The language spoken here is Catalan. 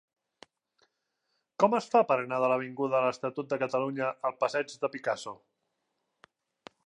Com es fa per anar de l'avinguda de l'Estatut de Catalunya al passeig de Picasso?